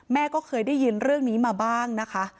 แม่ก็เคยได้ยินเรื่องนี้มาบ้างนะคะ